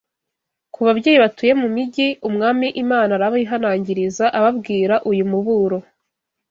Ku babyeyi batuye mu mijyi, Umwami Imana arabihanangiriza ababwira uyu muburo: